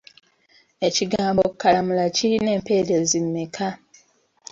Ekigambo kkalamula kirina empeerezi mmeka?